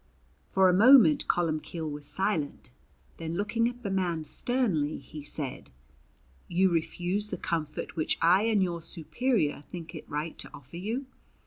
For a moment Columbcille was silent, then looking at the man sternly he said: "You refuse the comfort which I and your superior think it right to offer you.